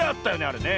あれね。